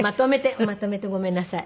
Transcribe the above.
まとめてごめんなさい。